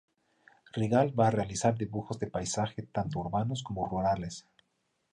Rigalt va a realizar dibujos de paisaje tanto urbanos como rurales.